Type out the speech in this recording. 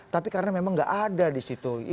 tapi karena memang nggak ada di situ